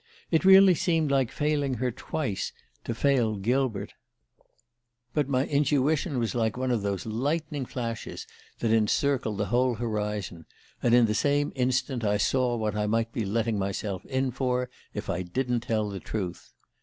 It really seemed like failing her twice to fail Gilbert "But my intuition was like one of those lightning flashes that encircle the whole horizon, and in the same instant I saw what I might be letting myself in for if I didn't tell the truth.